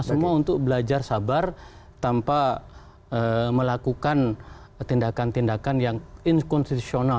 semua untuk belajar sabar tanpa melakukan tindakan tindakan yang inkonstitusional